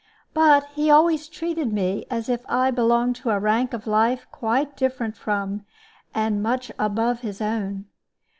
But he always treated me as if I belonged to a rank of life quite different from and much above his own.